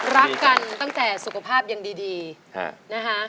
รักกันตั้งแต่สุขภาพยังดีนะคะ